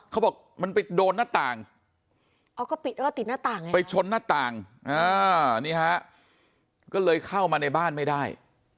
เขาบอกมันไปโดนหน้าต่างเอาก็ปิดแล้วก็ติดหน้าต่างไงไปชนหน้าต่างนี่ฮะก็เลยเข้ามาในบ้านไม่ได้